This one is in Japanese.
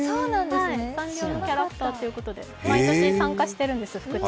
サンリオのキャラクターということで毎年参加しているんです。